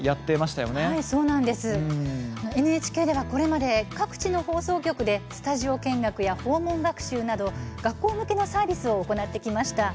ＮＨＫでは、これまで各地の放送局でスタジオ見学や訪問学習など学校向けのサービスを行ってきました。